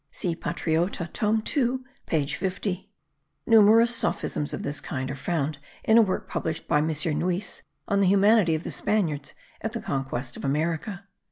See Patriota tome 2 page 50. Numerous sophisms of this kind are found in a work published by M. Nuix on the humanity of the Spaniards in the conquest of America.